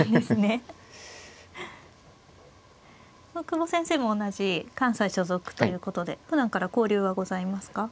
久保先生も同じ関西所属ということでふだんから交流はございますか。